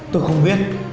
tôi không biết